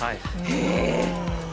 へえ！